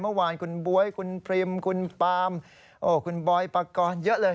เมื่อวานคุณบ๊วยคุณพริมคุณปามคุณบอยปากรเยอะเลย